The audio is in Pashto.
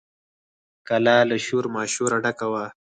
کلا له شور ماشوره ډکه وه.